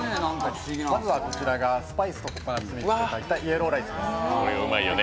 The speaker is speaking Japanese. まずは、スパイスとココナッツで炊いたイエローライスです。